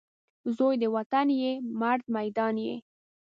زوی د وطن یې ، مرد میدان یې